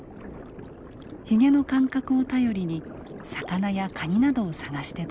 ヒゲの感覚を頼りに魚やカニなどを探して捕らえます。